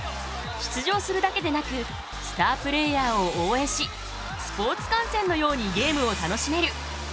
出場するだけでなくスタープレーヤーを応援しスポーツ観戦のようにゲームを楽しめる。